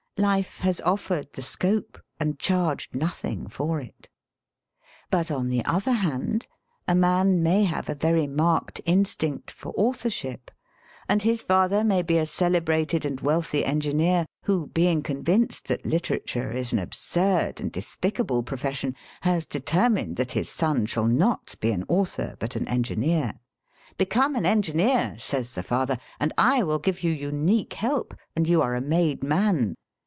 Life has offered the scope and charged nothing for it. But, on the other hand, a man may have a very marked instinct for authorship, and his father may be a celebrated and wealthy engineer who, being convinced that literature is an absurd and despicable profession, has determined that his son shall not be an author but an engineer. "Become an engineer," says the father, "and I will give you unique help, and you are a made man.